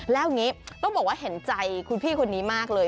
แล้วอย่างนี้ต้องบอกว่าเห็นใจคุณพี่คนนี้มากเลย